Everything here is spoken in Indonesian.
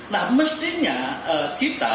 nah mestinya kita